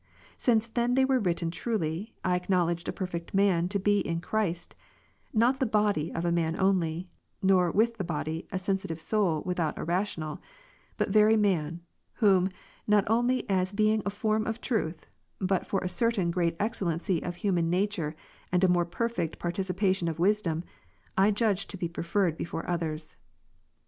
Since then they were written truly, I acknowledged a perfect man to be in Christ ; not the body of a man only, nor, with the body, a sensitive soul without a rational, but very man ; whom, not only as being a form '^ of Truth, but for a certain great excellency of human nature and a mOre per fect participation of wisdom, I judged to be preferred before others.